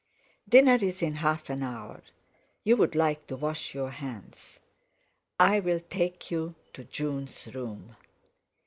"Dinner's in half an hour. You'd like to wash your hands! I'll take you to June's room."